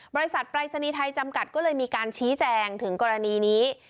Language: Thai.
ปรายศนีย์ไทยจำกัดก็เลยมีการชี้แจงถึงกรณีนี้